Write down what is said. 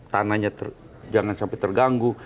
tanahnya jangan sampai terganggu